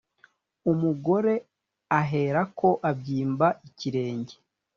umugore ahera ko abyimba ikirenge